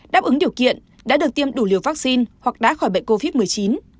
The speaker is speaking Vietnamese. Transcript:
đáp ứng điều kiện đã được tiêm đủ liều vaccine hoặc đã khỏi bệnh covid một mươi chín